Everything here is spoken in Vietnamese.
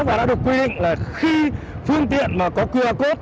và đã được quy định là khi phương tiện mà có qr code